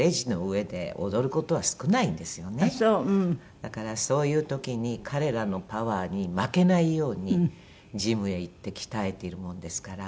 だからそういう時に彼らのパワーに負けないようにジムへ行って鍛えているもんですから。